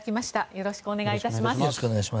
よろしくお願いします。